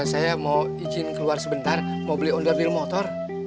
saya mau izin keluar sebentar mau beli onderdil motor